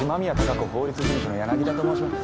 法律事務所の柳田と申します。